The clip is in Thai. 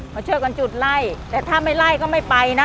มาช่วยกันจุดไล่แต่ถ้าไม่ไล่ก็ไม่ไปนะ